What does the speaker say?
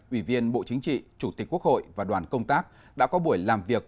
ủy viên bộ chính trị chủ tịch quốc hội và đoàn công tác đã có buổi làm việc